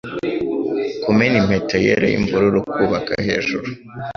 Kumena impeta yera yimvururu, kubaka hejuru